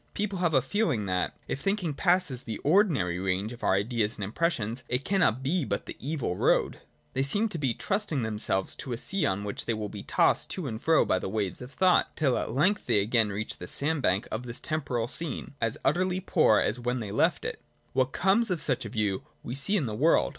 People have a feeling that, if thinking passes the ordinary range of our ideas and impressions, it cannot but be on tlie evil road. They seem to be trusting themselves to a sea on which they will be tossed to and fro by the waves of thought, till at length they again reach the sandbank of this temporal scene, as utterly poor as when they left it. What comes of such a view, we see in the world.